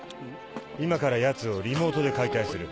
今から奴をリモートで解体する。